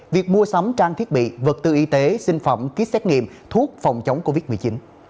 việc mua sắm trang thiết bị vật tư y tế sinh phẩm ký xét nghiệm thuốc phòng chống covid một mươi chín